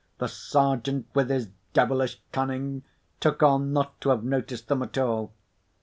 The Sergeant, with his devilish cunning, took on not to have noticed them at all.